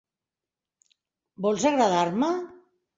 Vols agradar-me?